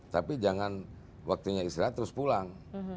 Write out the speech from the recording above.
tapi jangan waktunya istirahat terus pulang